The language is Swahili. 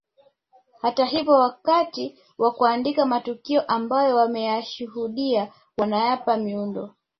Hata hivyo wakati wa kuandika matukio ambayo wameyashuhudia wanayapa muundo